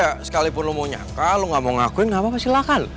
tapi ya sekalipun lo mau nyangka lo gak mau ngakuin apa apa silahkan